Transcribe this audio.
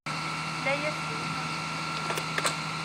Layas d win ur nettfukku.